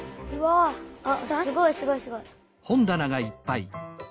あっすごいすごいすごい。